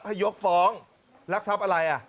ให้ยกฟ้องลักษัพอะไร